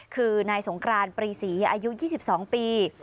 คือนายสงกรานปรีศรีอายุ๒๒ปี